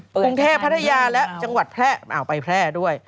กรุงเทพพัทยาและจังหวัดแพร่ไปแพร่ด้วย